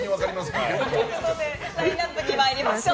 ラインアップに参りましょう。